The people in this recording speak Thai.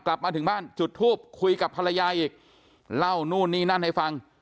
กลับมาถึงบ้านจุดทูปคุยกับภรรยาอีกเล่านู่นนี่นั่นให้ฟัง